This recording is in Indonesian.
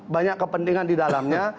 banyak kepentingan di dalamnya